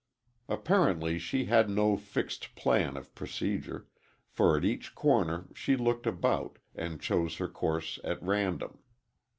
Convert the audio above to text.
Apparently she had no fixed plan of procedure, for at each corner, she looked about, and chose her course at random.